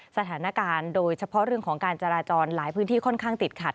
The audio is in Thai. สถานการณ์โดยเฉพาะเรื่องของการจราจรหลายพื้นที่ค่อนข้างติดขัด